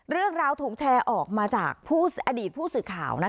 เรื่องราวถูกแชร์ออกมาจากอดีตผู้สื่อข่าว